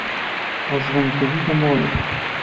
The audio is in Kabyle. Ɣeṣben-d deg-i tamuɣli.